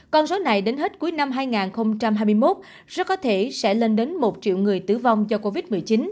con số này đến hết cuối năm hai nghìn hai mươi một rất có thể sẽ lên đến một triệu người tử vong do covid một mươi chín